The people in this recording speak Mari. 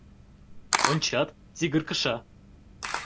Ончат: тигр кыша.